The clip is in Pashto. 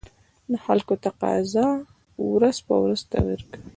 د خلکو تقاتضا ورځ په ورځ تغير کوي